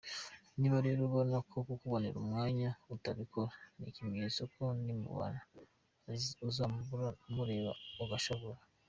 Niba rero ubona ko kukubonera umwanya atabikora ni ikimenyetso ko nimubana uzamubura umureba, ugashavura.